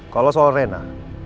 kalau soal rena